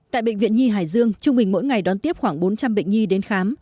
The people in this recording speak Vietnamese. tại bệnh viện nhi hải dương trung bình mỗi ngày đón tiếp khoảng bốn trăm linh bệnh nhi đến khám